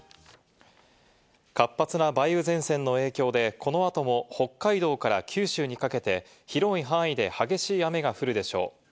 活発な梅雨前線の影響で、このあとも北海道から九州にかけて、広い範囲で激しい雨が降るでしょう。